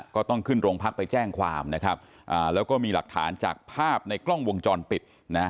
ก็ต้องขึ้นโรงพักไปแจ้งความนะครับแล้วก็มีหลักฐานจากภาพในกล้องวงจรปิดนะ